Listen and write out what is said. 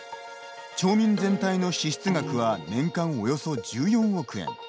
町民全体の支出額は年間およそ１４億円。